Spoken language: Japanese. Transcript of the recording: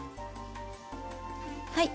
はい。